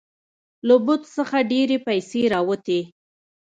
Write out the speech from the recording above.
له بت څخه ډیرې پیسې راوتې.